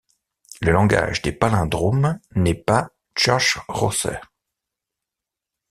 Le langage des palindromes n’est pas Church-Rosser.